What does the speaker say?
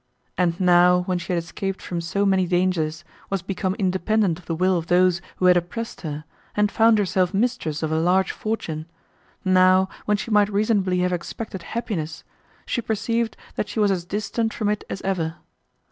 And now, when she had escaped from so many dangers, was become independent of the will of those, who had oppressed her, and found herself mistress of a large fortune, now, when she might reasonably have expected happiness, she perceived that she was as distant from it as ever.